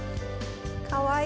かわいい。